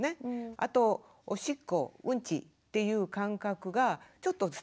あとおしっこうんちっていう感覚がちょっと伝えることができる。